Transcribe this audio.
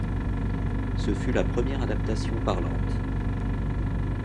Ce fut la première adaptation parlante.